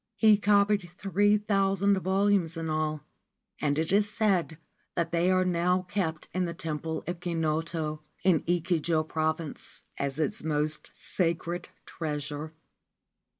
He copied three thousand volumes in all, and it is said that they are now kept in the Temple of Kinoto, in Echigo, as its most sacred treasure.